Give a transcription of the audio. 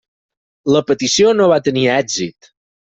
La petició no va tenir èxit.